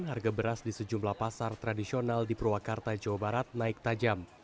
harga beras di sejumlah pasar tradisional di purwakarta jawa barat naik tajam